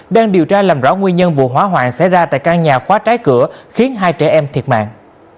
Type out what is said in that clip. đang điều tra làm rõ nguyên nhân vụ hỏa hoạn xảy ra tại căn nhà khóa trái cửa khiến hai trẻ em thiệt mạng